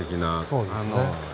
そうですね。